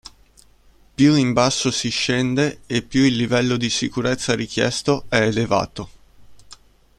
Più in basso si scende e più il livello di sicurezza richiesto è elevato.